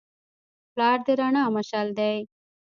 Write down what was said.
پلار د رڼا مشعل دی.